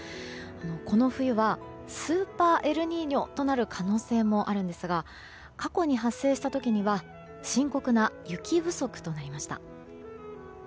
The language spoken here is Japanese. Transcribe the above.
この冬はスーパーエルニーニョとなる可能性もありますが過去に発生した時には深刻な雪不足となりました。